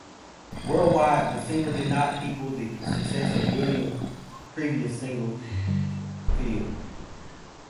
Worldwide, the single did not equal the success of Williams' previous single, "Feel".